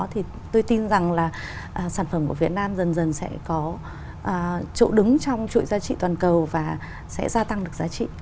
thì tôi tin rằng là sản phẩm của việt nam dần dần sẽ có chỗ đứng trong chuỗi giá trị toàn cầu và sẽ gia tăng được giá trị